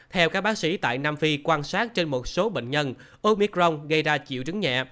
theo các bác sĩ tại nam phi quan sát trên một số bệnh nhân omic rong gây ra triệu chứng nhẹ